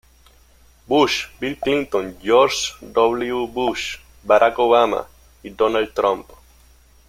Bush, Bill Clinton, George W. Bush, Barack Obama, y Donald Trump.